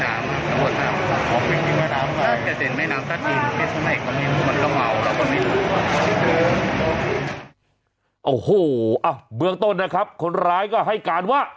อ้าวโหววววววววเบื้องต้นนะครับคนร้ายก็ให้การว่า